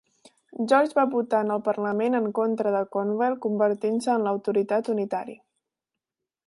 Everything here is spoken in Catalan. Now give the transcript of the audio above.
George va votar en el parlament en contra de Cornwall convertint-se en l'Autoritat Unitari.